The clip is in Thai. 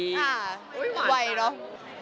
อุ๊ยหวานต่างกว่าอย่างที่ทุกคนเห็นว่าแบบอุ๊ยหวานต่างกว่า